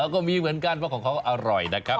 ก็มีเหมือนกันเพราะของเขาอร่อยนะครับ